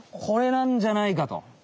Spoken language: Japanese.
これなんじゃないかと。